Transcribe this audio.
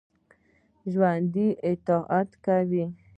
ژوندي طاعت کوي